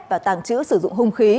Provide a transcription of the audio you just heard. và tàng trữ sử dụng hung khí